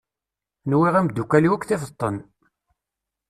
Nwiɣ imeddukal-iw akk tifeḍ-ten.